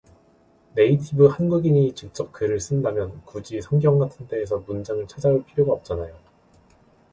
네이티브 한국인이 직접 글을 쓴다면 굳이 성경 같은 데에서 문장을 찾아올 필요가 없잖아요.